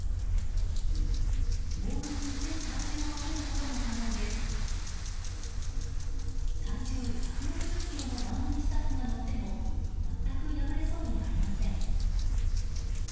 ボールに全体重をかけることも可能で体重１６０ｋｇの番組スタッフが乗っても全く破れそうにありません。